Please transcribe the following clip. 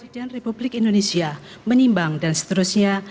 presiden republik indonesia menimbang dan seterusnya